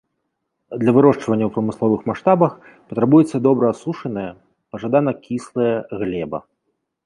Для вырошчвання ў прамысловых маштабах патрабуецца добра асушаная, пажадана кіслая глеба.